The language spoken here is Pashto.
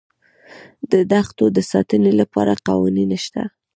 د دښتو د ساتنې لپاره قوانین شته.